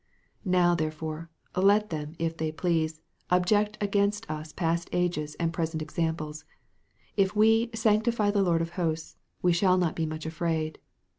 " Now, therefore, let them, if they please, object against us past ages and present examples; if we "sanctify the Lord of hosts," we shall not be much afraid.